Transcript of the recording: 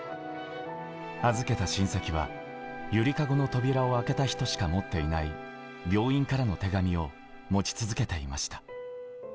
預けた親戚は、ゆりかごの扉を開けた人しか持っていない病院からの手紙を持ち続けていました。